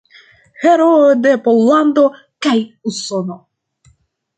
Heroo de Pollando kaj Usono.